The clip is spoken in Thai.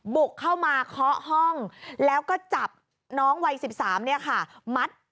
บุกเข้ามาเคาะห้องแล้วก็จับน้องวัย๑๓ค่ะ